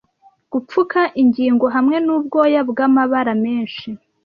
Gupfuka ingingo hamwe nubwoya bwamabara menshi